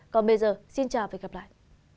còn bây giờ xin chào và hẹn gặp lại